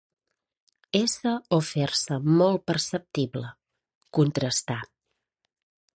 Ésser o fer-se molt perceptible, contrastar.